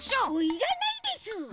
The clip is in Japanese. いらないです！